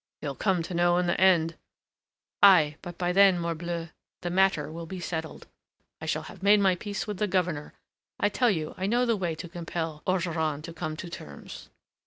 "He'll come to know in the end." "Aye, but by then, morbleu, the matter will be settled. I shall have made my peace with the Governor. I tell you I know the way to compel Ogeron to come to terms."